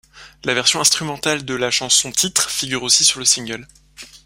La version instrumentale de la chanson-titre figure aussi sur le single.